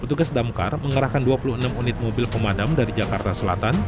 petugas damkar mengerahkan dua puluh enam unit mobil pemadam dari jakarta selatan